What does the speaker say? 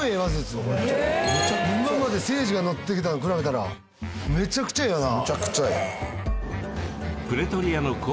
今までせいじが乗ってきたの比べたらめちゃくちゃええよな